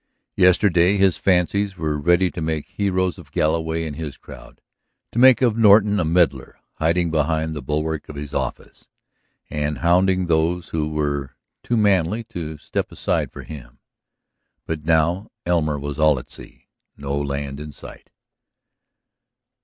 Yesterday his fancies were ready to make heroes of Galloway and his crowd, to make of Norton a meddler hiding behind the bulwark of his office, and hounding those who were too manly to step aside for him. But now Elmer was all at sea, no land in sight.